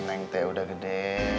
neng teh udah gede